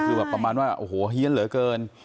คือแบบประมาณว่าโอ้โหเฮียนเหลือเกิน